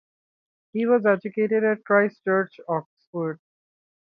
He was educated at Christ Church, Oxford.